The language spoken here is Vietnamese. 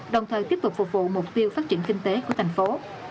đồng thời tiếp tục phục vụ mục tiêu phát triển kinh tế của thành phố